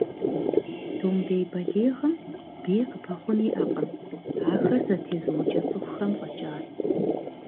Домбей бэлигъым бий къыпэхъун иӏэкъым, ахэр зэтезыукӏэ цӏыхухэм фӏэкӏа.